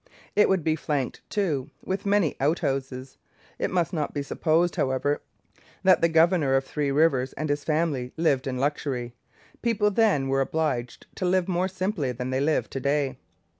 It would be flanked, too, with many outhouses. It must not be supposed, however, that the governor of Three Rivers and his family lived in luxury. People then were obliged to live more simply than they live to day.